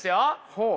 ほう。